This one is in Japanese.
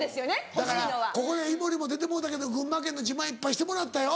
だからここに井森も出てもろうたけど群馬県の自慢いっぱいしてもらったよ。